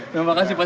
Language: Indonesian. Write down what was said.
terima kasih pak